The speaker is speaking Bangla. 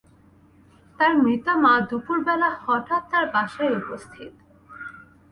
তার মৃতা মা দুপুরবেলা হঠাৎ তাঁর বাসায় উপস্থিত।